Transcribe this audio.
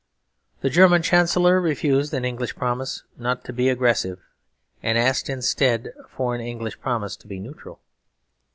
The German Chancellor refused an English promise not to be aggressive and asked instead for an English promise to be neutral.